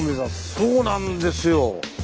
そうなんですよ。